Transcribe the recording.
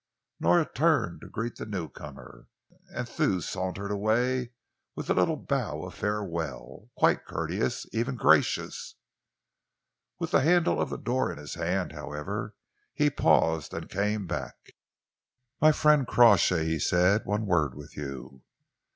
Nora turned to greet the newcomer, and Thew sauntered away with a little bow of farewell, quite courteous, even gracious. With the handle of the door in his hand, however, he paused and came back. "My friend Crawshay," he said, "one word with you."